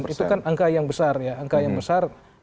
itu kan angka yang besar ya